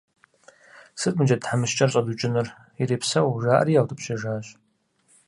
– Сыт мы джэд тхьэмыщкӀэр щӀэдукӀынур, ирепсэу, – жаӀэри яутӀыпщыжащ.